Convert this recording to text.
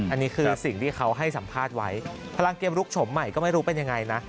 อันนี้คือสิ่งที่เขาให้สัมภาษณ์ไว้พลังเกมลุกโฉมใหม่ก็ไม่รู้เป็นยังไงนะ